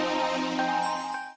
kamu kenapa nangis terus